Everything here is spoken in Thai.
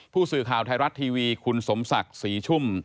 ผู้สื่อข่าวไทยรัฐทีวีคุณสมศักดิ์ศรีชุ่ม